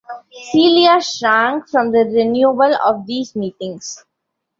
Celia shrank from the renewal of these meetings.